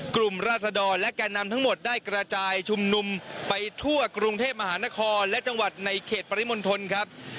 ราศดรและแก่นำทั้งหมดได้กระจายชุมนุมไปทั่วกรุงเทพมหานครและจังหวัดในเขตปริมณฑลครับ